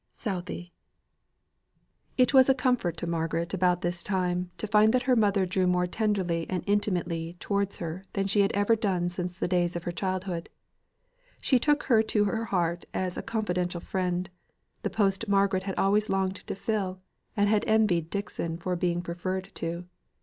SOUTHEY. It was a comfort to Margaret about this time, to find that her mother drew more tenderly and intimately towards her than she had ever done since the days of her childhood. She took her to her heart as a confidential friend the post Margaret had always longed to fill, and had envied Dixon for being preferred to.